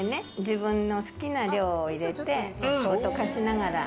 自分の好きな量を入れて溶かしながら。